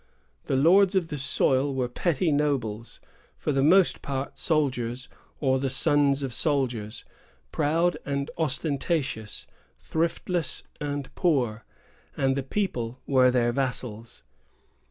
The lords of the soil were petty nobles, for the most part soldiers, or the sons of soldiers, proud and ostentatious, thriftless and poor; and the people were their vassals.